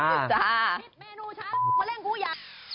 จ้า